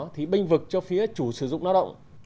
thì binh vực cho phía chủ sử dụng lao động